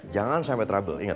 jangan sampai trouble inget